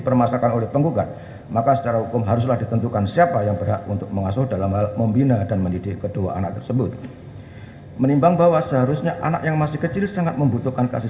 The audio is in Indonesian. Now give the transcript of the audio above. pertama penggugat akan menerjakan waktu yang cukup untuk menerjakan si anak anak tersebut yang telah menjadi ilustrasi